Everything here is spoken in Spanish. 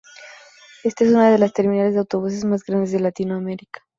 Esta es una de las terminales de autobuses más grandes de latinoamerica.